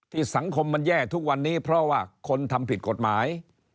สังคมมันแย่ทุกวันนี้เพราะว่าคนทำผิดกฎหมาย